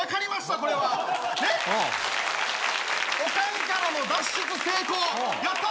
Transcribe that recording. これはオカンからの脱出成功やったー！